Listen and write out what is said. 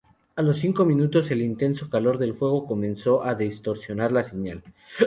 A los cinco minutos, el intenso calor del fuego comenzó a distorsionar la señal.